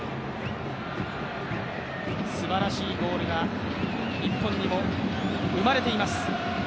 すばらしいゴールが日本にも生まれています。